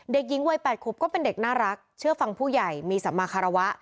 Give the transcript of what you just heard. เด็กหญิงวัย๘ขวบก็เป็นเด็กน่ารักเชื่อฟังผู้ใหญ่มีสัมมาคารวะ